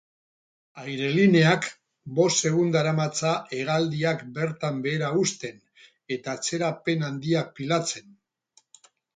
Airelineak bost egun daramatza hegaldiak bertan behera uzten eta atzerapen handiak pilatzen.